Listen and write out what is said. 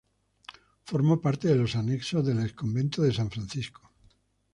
Formó parte de los anexos del Ex Convento de San Francisco.